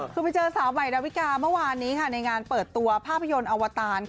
คือไปเจอสาวใหม่ดาวิกาเมื่อวานนี้ในงานเปิดตัวภาพยนตร์อวตาร